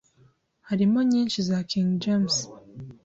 Harimo nyinshi za King James